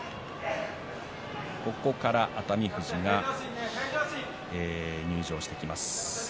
ここから熱海富士が入場してきます。